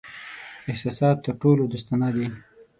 احساسات تر ټولو دوستانه دي.